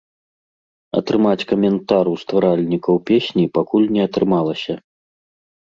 Атрымаць каментар у стваральнікаў песні пакуль не атрымалася.